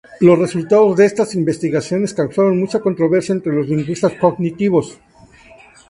Los resultados de estas investigaciones causaron mucha controversia entre los lingüistas cognitivos.